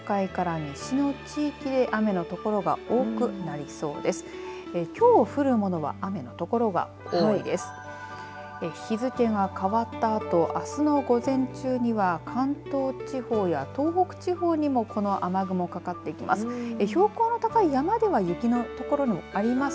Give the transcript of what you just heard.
日付が変わったあとあすの午前中には関東地方や東北地方にもこの雨雲かかっていきます。